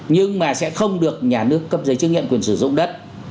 nhưng mà sẽ không được nhà nước cấp giấy chứng nhận quyền sử dụng đất